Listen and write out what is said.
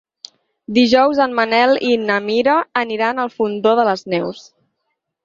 Dijous en Manel i na Mira aniran al Fondó de les Neus.